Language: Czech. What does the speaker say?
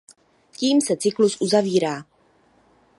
Tím se cyklus uzavírá.